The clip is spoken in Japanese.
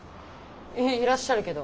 いらっしゃるけど。